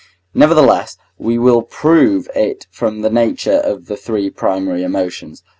Nevertheless, we will prove it from the nature of the three primary emotions.